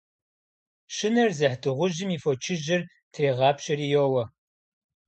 Щынэр зыхь дыгъужьым и фочыжьыр трегъапщэри йоуэ.